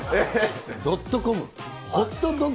ドットコム。